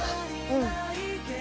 うん。